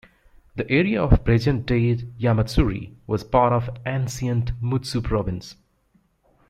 The area of present-day Yamatsuri was part of ancient Mutsu Province.